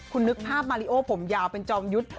คุณนึกภาพมาริโอผมยาวเป็นจอมยุทธ์